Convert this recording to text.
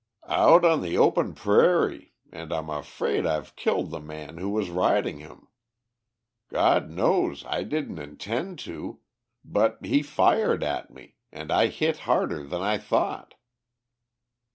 "Out on the prairie, and I'm afraid I've killed the man who was riding him. God knows, I didn't intend to, but he fired at me, and I hit harder than I thought."